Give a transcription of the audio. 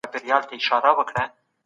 استازي به د جګړې مخه ونیسي.